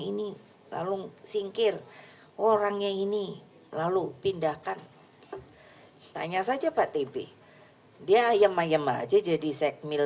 ini lalu singkir orangnya ini lalu pindahkan tanya saja pak tb diam yema aja jadi segmil